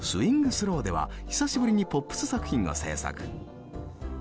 スローでは久しぶりにポップス作品を制作。